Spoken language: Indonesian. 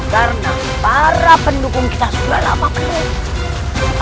karena para pendukung kita sudah lama penuh